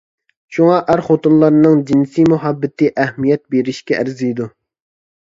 شۇڭا، ئەر-خوتۇنلارنىڭ جىنسىي مۇھەببىتى ئەھمىيەت بېرىشكە ئەرزىيدۇ.